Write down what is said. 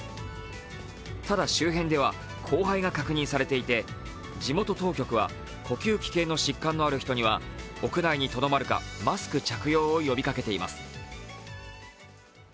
ただ、周辺では降灰が確認されていて、地元当局は呼吸器系の疾患のある人には屋内にとどまるかマスク着用を呼びかけています。